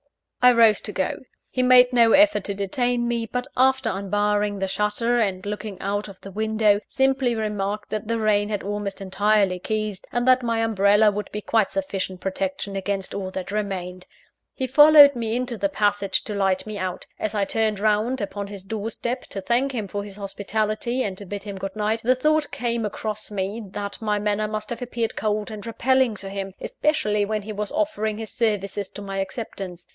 I rose to go. He made no effort to detain me; but, after unbarring the shutter and looking out of the window, simply remarked that the rain had almost entirely ceased, and that my umbrella would be quite sufficient protection against all that remained. He followed me into the passage to light me out. As I turned round upon his door step to thank him for his hospitality, and to bid him good night, the thought came across me, that my manner must have appeared cold and repelling to him especially when he was offering his services to my acceptance.